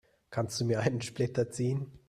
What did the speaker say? Kannst du mir einen Splitter ziehen?